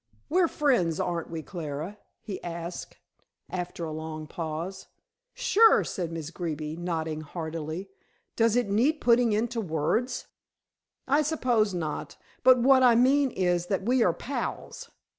"We're friends, aren't we, Clara?" he asked, after a long pause. "Sure," said Miss Greeby, nodding heartily. "Does it need putting into words?" "I suppose not, but what I mean is that we are pals."